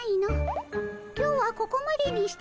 今日はここまでにして帰るかの。